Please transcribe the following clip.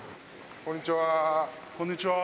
こんにちは。